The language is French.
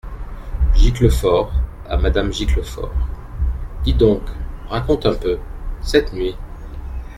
Giclefort, à madame Giclefort. — Dis-donc, raconte un peu, cette nuit…